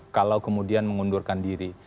kalau kemudian mengundurkan diri